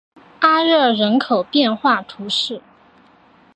阿热人口变化图示